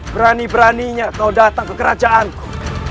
berani beraninya kau datang ke kerajaanku